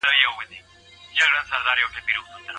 نکاح کوم ډول نيکمرغي يا بدمرغي راوړي؟